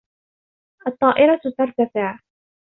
الطّائرة ترتفع.